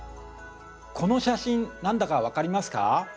この写真何だか分かりますか？